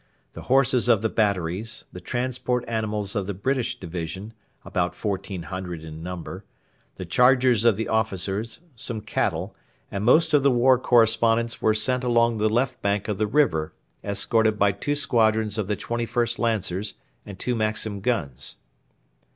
The horses of the batteries, the transport animals of the British division (about 1,400 in number), the chargers of the officers, some cattle, and most of the war correspondents were sent along the left bank of the river escorted by two squadrons of the 21st Lancers and two Maxim guns.